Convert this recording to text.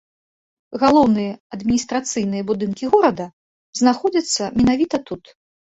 Галоўныя адміністрацыйныя будынкі горада знаходзяцца менавіта тут.